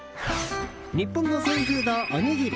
日本のソウルフード、おにぎり。